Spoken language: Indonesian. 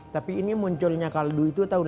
tapi ini munculnya kaldu itu tahun lima puluh an